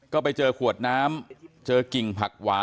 ก็ไปเจอขวดน้ำเจอกิ่งผักหวาน